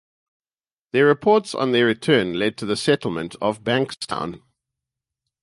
Their reports on their return led to the settlement of Banks' Town.